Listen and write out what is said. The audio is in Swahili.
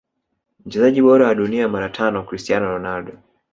Mchezaji bora wa dunia mara tano Cristiano Ronaldo